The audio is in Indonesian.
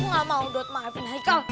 aku gak mau do'at maafin heikal